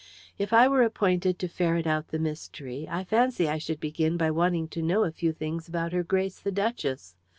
If I were appointed to ferret out the mystery, I fancy that I should begin by wanting to know a few things about her Grace the Duchess.